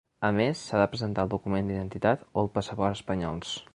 A més, s’ha de presentar el document d’identitat o el passaport espanyols.